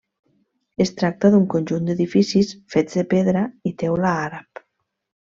Es tracta d'un conjunt d'edificis fets de pedra i teula àrab.